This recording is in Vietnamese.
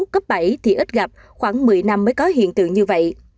cấp bảy thì ít gặp khoảng một mươi năm mới có hiện tượng như vậy